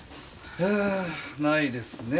はぁないですね。